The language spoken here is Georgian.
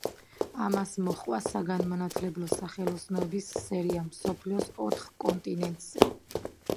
ამას მოჰყვა საგანმანათლებლო სახელოსნოების სერია მსოფლიოს ოთხ კონტინენტზე.